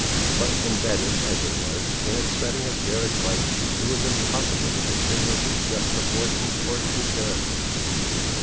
But imbedded, as it was, in its setting of garish light, it was impossible to distinguish its just proportions or true character.